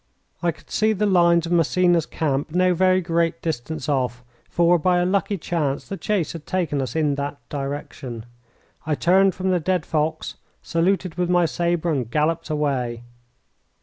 I could see the lines of Massena's camp no very great distance off, for, by a lucky chance, the chase had taken us in that direction. I turned from the dead fox, saluted with my sabre, and galloped away.